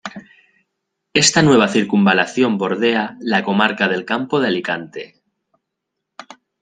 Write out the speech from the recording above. Esta nueva circunvalación bordea la comarca del Campo de Alicante.